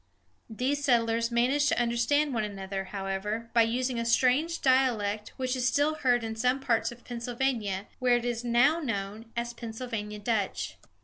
These settlers managed to understand one another, however, by using a strange dialect, which is still heard in some parts of Pennsylvania, where it is now known as "Pennsylvania Dutch."